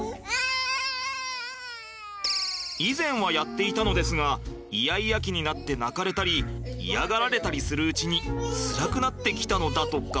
以前はやっていたのですがイヤイヤ期になって泣かれたり嫌がられたりするうちにつらくなってきたのだとか。